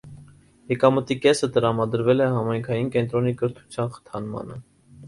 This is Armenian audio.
Եկամտի կեսը տրամադրվել է համայնքային կենտրոնի կրթության խթանմանը։